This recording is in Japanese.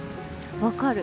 わかる。